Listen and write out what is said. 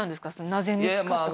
なぜ見つかったかは。